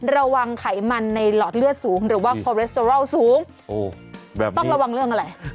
ระวังไขมันในหลอดเลือดสูงหรือว่าสูงโอ้แบบนี้ต้องระวังเรื่องอะไร